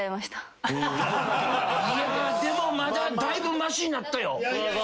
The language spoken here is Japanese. でもまだだいぶましになったよ。